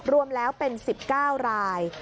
รวมแล้วเป็น๑๙ราย